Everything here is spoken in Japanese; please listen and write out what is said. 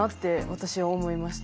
私は思いました。